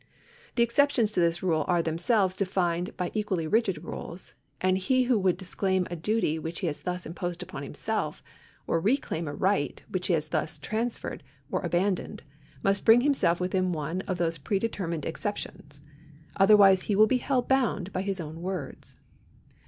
The exceptions to this rule are themselves defined by equally rigid rules ; and he who would disclaim a duty which he has thus imposed upon himself, or reclaim a right which he has thus transferred or abandoned, must bring himself within one of those predetermined exceptions. Otherwise he will be held bound by his own words.